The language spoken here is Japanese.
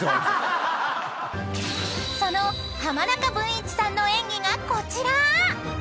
［その浜中文一さんの演技がこちら！］